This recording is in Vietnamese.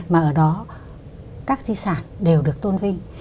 mà ở đó các di sản đều được tôn vinh